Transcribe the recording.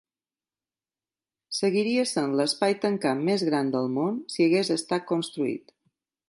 Seguiria sent l'espai tancat més gran del món si hagués estat construït.